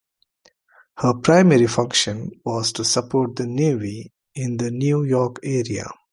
Her primary function was to support the Navy in the New York area.